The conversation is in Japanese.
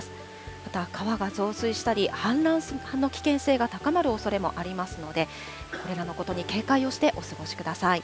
また川が増水したり氾濫する危険性が高まるおそれもありますので、これらのことに警戒をしてお過ごしください。